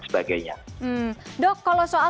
sebagainya dok kalau soal